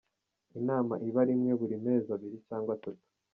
Inama iba rimwe buri mezi abiri cyangwa atatu.